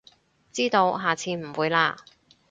知道，下次唔會喇